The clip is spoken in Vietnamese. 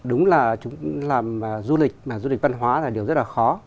đúng là chúng làm du lịch mà du lịch văn hóa là điều rất là khó